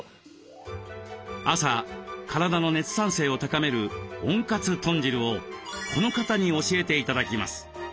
朝体の熱産生を高める「温活豚汁」をこの方に教えて頂きます。